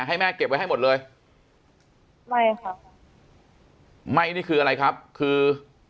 ให้แม่เก็บไว้ให้หมดเลยไม่ครับไม่นี่คืออะไรครับคือ